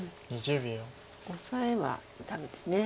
オサエはダメです。